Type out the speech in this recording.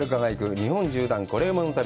日本縦断コレうまの旅」。